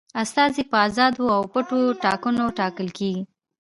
استازي په آزادو او پټو ټاکنو ټاکل کیږي.